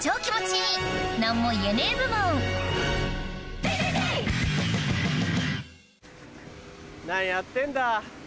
何やってんだ？